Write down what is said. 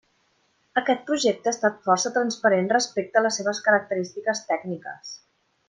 Aquest projecte ha estat força transparent respecte a les seves característiques tècniques.